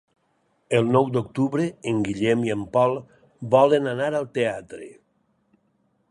El nou d'octubre en Guillem i en Pol volen anar al teatre.